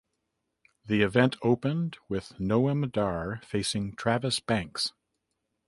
The event opened with Noam Dar facing Travis Banks.